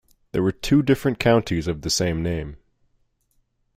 There were two different Counties of the same name.